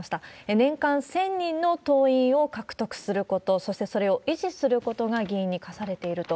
年間１０００人の党員を獲得すること、そしてそれを維持することが議員に課されていると。